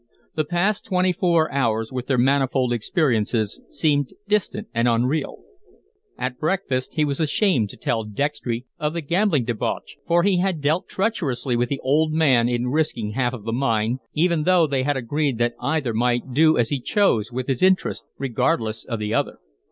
The past twenty four hours with their manifold experiences seemed distant and unreal. At breakfast he was ashamed to tell Dextry of the gambling debauch, for he had dealt treacherously with the old man in risking half of the mine, even though they had agreed that either might do as he chose with his interest, regardless of the other.